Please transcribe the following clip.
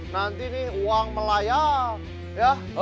nanti nih uang melayang ya